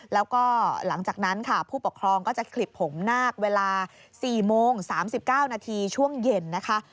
แล้วก็หลังจากนั้นค่ะผู้ปกครองก็จะขลิบผมนาคเวลา๔โมง๓๙นาทีช่วงเย็นนะคะ